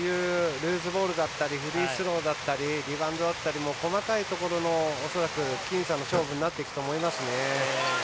ルーズボールだったりフリースローだったりリバウンドだったり細かいところの恐らく僅差の勝負になっていくと思いますね。